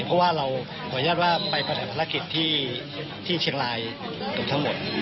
ก็ได้ว่าเราขออนุญาตว่าไปประแหลภารกิจที่เชียงลายทั้งหมด